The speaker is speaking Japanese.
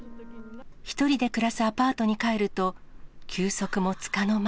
１人で暮らすアパートに帰ると、休息もつかの間。